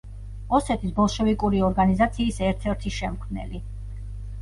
ოსეთის ბოლშევიკური ორგანიზაციის ერთ-ერთი შემქმნელი.